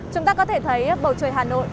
chúng ta có thể thấy bầu trời hà nội